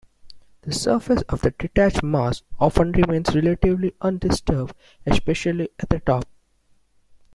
The surface of the detached mass often remains relatively undisturbed, especially at the top.